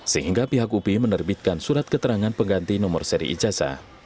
sehingga pihak upi menerbitkan surat keterangan pengganti nomor seri ijasa